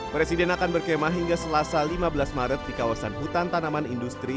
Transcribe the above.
presiden akan berkemah hingga selasa lima belas maret di kawasan hutan tanaman industri